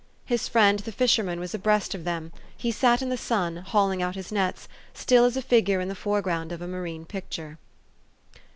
His friend the fisherman was abreast of them : he sat in the sun, hauling out his nets, still as a figure in the fore ground of a marine picture.